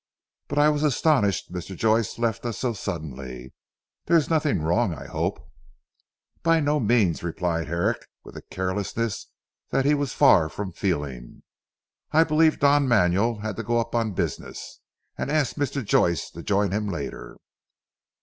But I was astonished Mr. Joyce left us so suddenly. There is nothing wrong I hope." "By no means," replied Herrick with a carelessness he was far from feeling. "I believe Don Manuel had to go up on business, and asked Mr. Joyce to join him later."